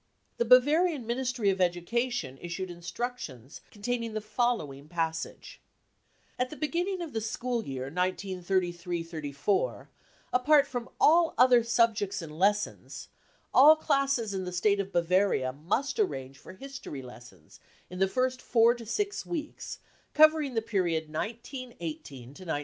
T hfe Bavarian Ministry of Education issued instructions containing the following passage :" At the beginning of the school year 1933 4 — apart from all other subjects and lessons — all classes in the State of Bavaria must arrange for history lessons in the first four to six weeks covering the period 1918 to 1933.